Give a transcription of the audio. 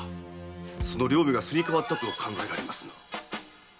その両名がすり替わったと考えられます。